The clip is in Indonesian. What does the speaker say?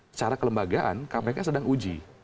secara kelembagaan kpk sedang uji